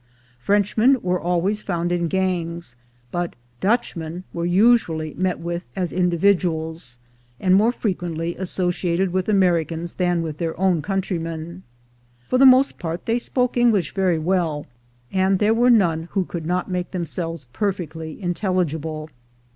Frenchmen were always found in gangs, but ''Dutchmen" were usually met \%'ith as individuals, and more frequently associated vrith Americans than vn'Cn. tlieir o\\~a countrymen. For the most part they spoke English \try well, and there were none who could not make themselves perfectly intelligible.